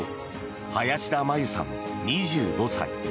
林田茉優さん、２５歳。